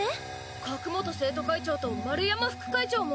角本生徒会長と丸山副会長も？